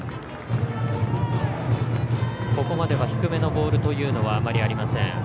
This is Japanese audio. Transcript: ここまでは低めのボールというのはあまりありません。